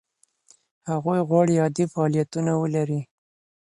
هغوی غواړي عادي فعالیتونه ولري.